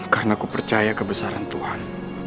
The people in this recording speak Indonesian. karena ku percaya kebesaran tuhan